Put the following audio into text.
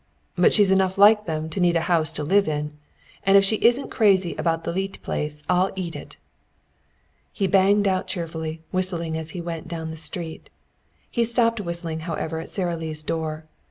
But she's enough like them to need a house to live in. And if she isn't crazy about the Leete place I'll eat it." He banged out cheerfully, whistling as he went down the street. He stopped whistling, however, at Sara Lee's door.